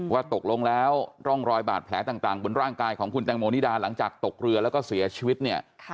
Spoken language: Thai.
ว่าตกลงแล้วร่องรอยบาดแผลต่างบนร่างกายของคุณแตงโมนิดาหลังจากตกเรือแล้วก็เสียชีวิตเนี่ย